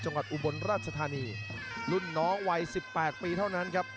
จังหวัดอุบลราชธานีรุ่นน้องวัย๑๘ปีเท่านั้นครับ